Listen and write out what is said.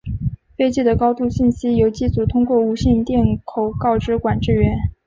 飞机的高度信息由机组通过无线电口头告知管制员。